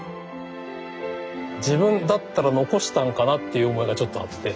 自分だったら残したんかなっていう思いがちょっとあって。